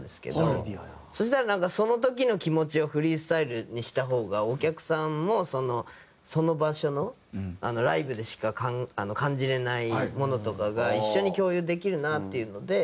そしたらその時の気持ちをフリースタイルにした方がお客さんもその場所のライブでしか感じられないものとかが一緒に共有できるなっていうので。